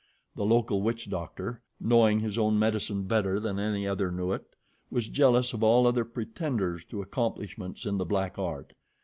The local witch doctor, knowing his own medicine better than any other knew it, was jealous of all other pretenders to accomplishments in the black art.